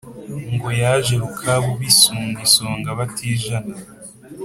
ngo yaje rukabu bisunga isonga batijana.